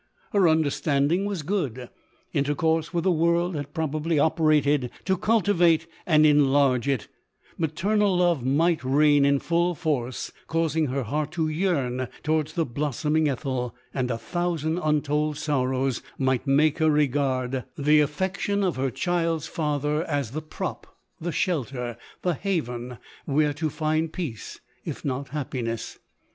Iler under standing was good ; intercourse with the world had probably operated to cultivate and enlarge it — maternal love might reign in full force, causing her heart to yearn towards the bloom ing Ethel, and a thousand untold sorrows might make her regard the affection of her child's LODORK. 21 5 father, as the prop, the shelter, the haven, where to find peace, if not happiness.